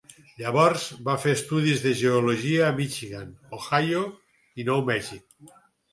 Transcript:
Llavors va fer estudis de geologia a Michigan, Ohio i Nou Mèxic.